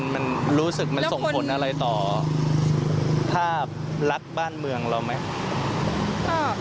มันรู้สึกส่งผลอะไรต่อท่าแรกบ้านเมืองเราไหม